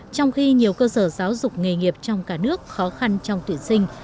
trong khi nhiều cơ sở giáo dục nghề nghiệp trong cả nước khó khăn trong tuyển sinh